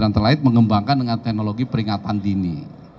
dan yang terakhir mengembangkan dengan teknologi peringatan dini